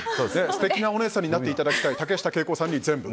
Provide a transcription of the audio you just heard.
素敵なお姉さんになっていただきたい竹下景子さんに全部。